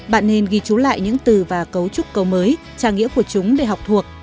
bạn nên ghi trú lại những từ và cấu trúc câu mới trang nghĩa của chúng để học thuộc